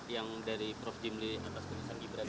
yang dari prof jim lili